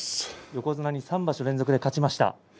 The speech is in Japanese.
横綱に３場所連続で勝ちましたね。